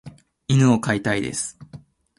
犬を飼いたいです。